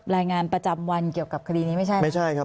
รายงานประจำวันเกี่ยวกับคดีนี้ไม่ใช่ไม่ใช่ครับ